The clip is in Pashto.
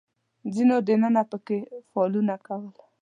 ځینو دننه په کې نفلونه کول.